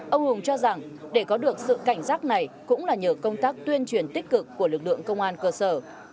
ông hùng cho rằng để có được sự cảnh giác này cũng là nhờ công tác tuyên truyền tích cực của lực lượng công an cơ sở